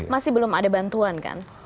masih belum ada bantuan kan